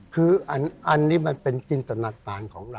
คืออันนี้มันเป็นจินตนาการของเรา